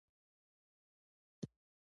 ښايي ما هم اروپا کې